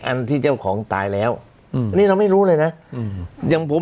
อันที่เจ้าของตายแล้วในอ่าไม่รู้เลยนะยังนี้ผม